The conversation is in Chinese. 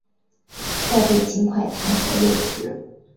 再被秦桧弹劾落职。